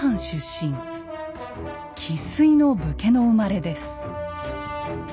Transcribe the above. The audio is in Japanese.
生っ粋の武家の生まれです。